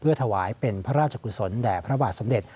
ถวายเป็นพระราชกุศลแด่พระบาทสมเด็จ